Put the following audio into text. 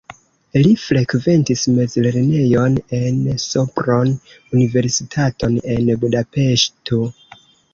Li frekventis mezlernejon en Sopron, universitaton en Budapeŝto.